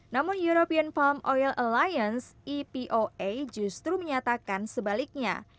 namun european palm oil aliance epoa justru menyatakan sebaliknya